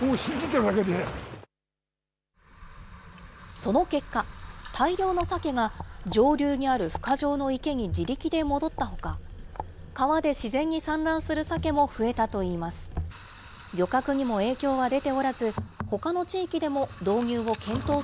その結果、大量のサケが上流にあるふ化場の池に自力で戻ったほか、川で自然に産卵するサケも増えたといいます。